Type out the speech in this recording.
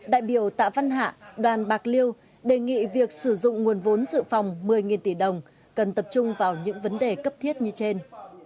đại biểu tạ văn hạ đoàn bạc liêu đề nghị việc sử dụng nguồn vốn dự phòng một mươi tỷ đồng cần tập trung vào những vấn đề cấp thiết như trên